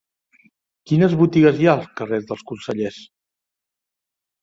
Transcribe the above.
Quines botigues hi ha al carrer dels Consellers?